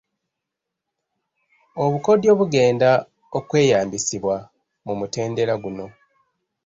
Obukodyo obugenda okweyambisibwa mu mutendera guno.